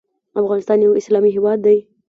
افغانستان یو اسلامي هیواد دی